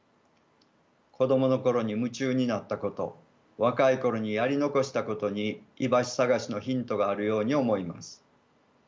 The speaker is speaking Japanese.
子供の頃に夢中になったこと若い頃にやり残したことに居場所探しのヒントがあるように思います。